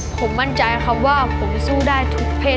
ผมมั่นใจครับว่าผมสู้ได้ทุกเพศ